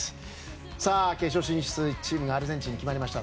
さあ、決勝進出の１チームはアルゼンチンに決まりました。